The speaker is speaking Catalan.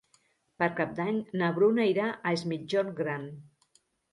Per Cap d'Any na Bruna irà a Es Migjorn Gran.